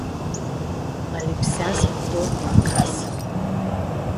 Ma lipsea s-mi tornu acasã.